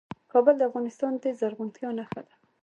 کابل د افغانستان د زرغونتیا نښه ده.